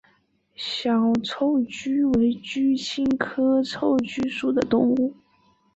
小臭鼩为鼩鼱科臭鼩属的动物。